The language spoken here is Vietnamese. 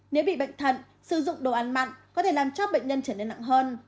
nếu bị bệnh thận sử dụng đồ ăn mặn có thể làm cho bệnh nhân trở nên nặng hơn